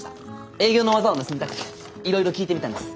営業の技を盗みたくていろいろ聞いてみたんです。